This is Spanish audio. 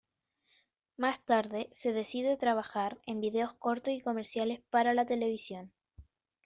Más tarde se decide a trabajar en vídeos cortos y comerciales para la televisión.